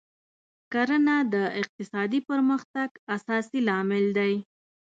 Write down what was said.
کرنه د اقتصادي پرمختګ اساسي لامل دی.